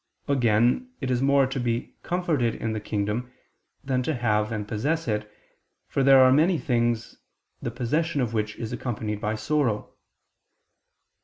Again, it is more to be comforted in the kingdom than to have and possess it, for there are many things the possession of which is accompanied by sorrow.